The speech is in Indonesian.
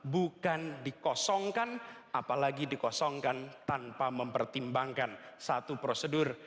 bukan dikosongkan apalagi dikosongkan tanpa mempertimbangkan satu prosedur